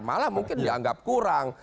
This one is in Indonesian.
malah mungkin dianggap kurang